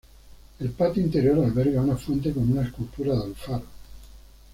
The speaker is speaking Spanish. El patio interior alberga una fuente con una escultura de Alfaro.